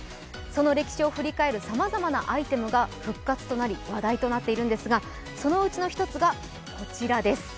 その歴史を振り返るさまざまなアイテムが復活となり話題となっているんですが、そのうちの１つが、こちらです。